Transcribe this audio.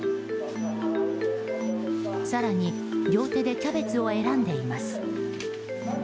更に両手でキャベツを選んでいます。